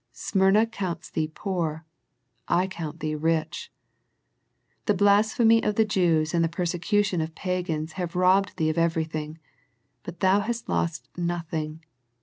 Smyrna counts thee poor. I count thee rich. The blasphemy of the Jews and the persecu tion of pagans have robbed thee of everything, but thou hast lost nothing.